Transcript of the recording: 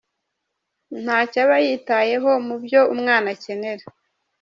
Ntacyo aba yitayeho mu byo umwana akenera.